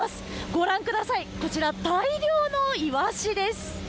ご覧ください、こちら大量のイワシです。